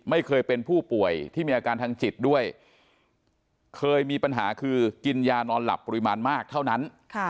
ไม่เคยเป็นผู้ป่วยที่มีอาการทางจิตด้วยเคยมีปัญหาคือกินยานอนหลับปริมาณมากเท่านั้น